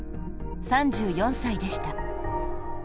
３４歳でした。